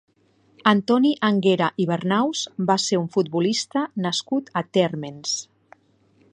Antoni Anguera i Bernaus va ser un futbolista nascut a Térmens.